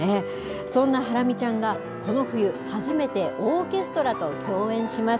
そんなハラミちゃんが、この冬、初めてオーケストラと共演します。